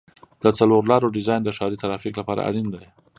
د څلور لارو ډیزاین د ښاري ترافیک لپاره اړین دی